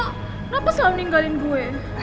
kenapa selalu ninggalin gue